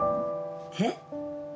えっ？